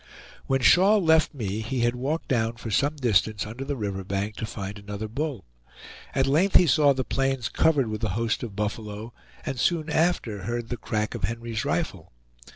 When Shaw left me he had walked down for some distance under the river bank to find another bull. At length he saw the plains covered with the host of buffalo, and soon after heard the crack of Henry's rifle.